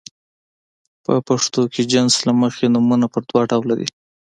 په پښتو کې د جنس له مخې نومونه په دوه ډوله دي.